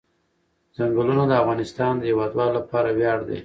چنګلونه د افغانستان د هیوادوالو لپاره ویاړ دی.